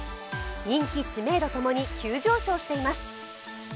人気、知名度ともに急上昇しています。